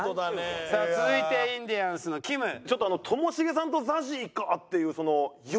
続いてインディアンスのきむ。ちょっとともしげさんとＺＡＺＹかっていう。